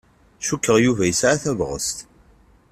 Cukkeɣ Yuba yesɛa tabɣest.